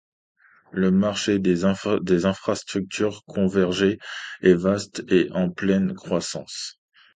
Le marché des infrastructures convergées est vaste et en pleine croissance.